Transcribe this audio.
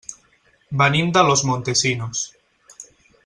Venim de Los Montesinos.